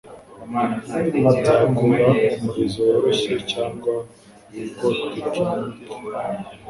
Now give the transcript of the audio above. nzakura umurizo woroshye cyangwa ubwo telekinetic